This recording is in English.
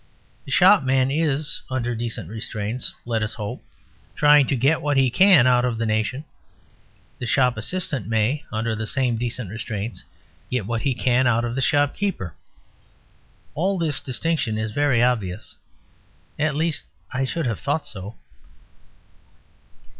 The shopman is, under decent restraints, let us hope, trying to get what he can out of the nation; the shop assistant may, under the same decent restraints, get what he can out of the shopkeeper. All this distinction is very obvious. At least I should have thought so.